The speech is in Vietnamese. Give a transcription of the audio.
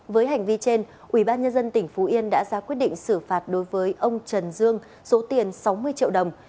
với hành vi trên ubnd tỉnh phú yên đã ra quyết định xử phạt đối với ông trần dương số tiền sáu mươi triệu đồng